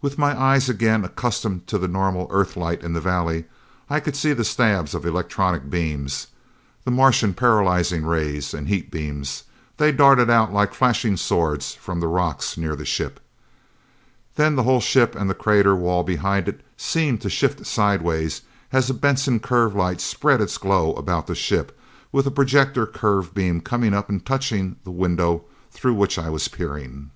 With my eyes again accustomed to the normal Earthlight in the valley, I could see the stabs of electronic beams, the Martian paralyzing rays and heat beams. They darted out like flashing swords from the rocks near the ship. Then the whole ship and the crater wall behind it seemed to shift sidewise as a Benson curve light spread its glow about the ship, with a projector curve beam coming up and touching the window through which I was peering.